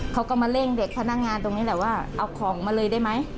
เขาก็มาเร่งเด็กพนักงานตรงนี้แหละว่าเอาของมาเลยได้ไหม